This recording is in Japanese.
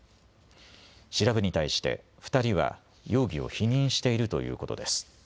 調べに対して２人は容疑を否認しているということです。